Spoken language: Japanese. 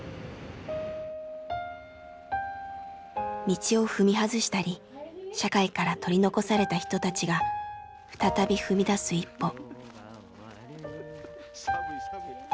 道を踏み外したり社会から取り残された人たちが再び踏み出す一歩。